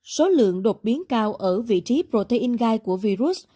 số lượng đột biến cao ở vị trí protein gai của virus